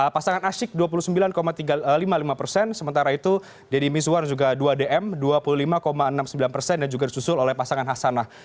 pasangan asyik dua puluh sembilan lima puluh lima persen sementara itu deddy mizwar juga dua dm dua puluh lima enam puluh sembilan persen dan juga disusul oleh pasangan hasanah